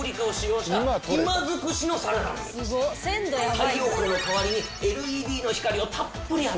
太陽光の代わりにＬＥＤの光をたっぷり浴びてます。